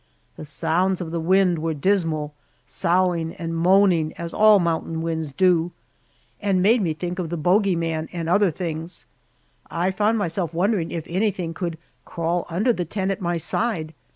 The sounds of the wind were dismal, soughing and moaning as all mountain winds do, and made me think of the Bogy man and other things. I found myself wondering if anything could crawl under the tent at my side.